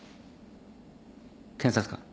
検察官。